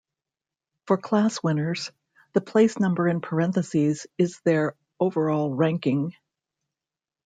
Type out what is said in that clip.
For class winners, the place number in parenthesis is their overall ranking.